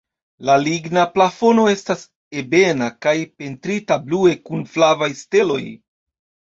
La ligna plafono estas ebena kaj pentrita blue kun flavaj steloj.